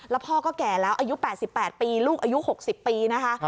แล้วพ่อก็แก่แล้วอายุ๘๘ปีลูกอายุ๖๐ปีนะคะ